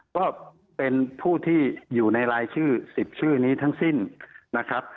ก็เป็นผู้ที่อยู่ในรายชื่อ๑๐ชื่อนี้ทั้งสิ้นนะครับ